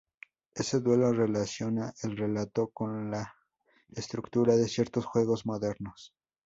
Ese duelo relaciona el relato con la estructura de ciertos juegos modernos.